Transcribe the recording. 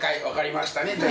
わかりましたね。